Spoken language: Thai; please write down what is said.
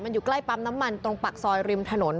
อยู่ใกล้ปั๊มน้ำมันตรงปากซอยริมถนน